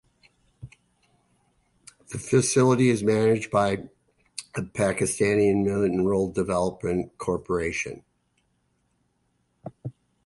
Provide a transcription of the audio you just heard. The facility is managed by the Pakistan Mineral Development Corporation.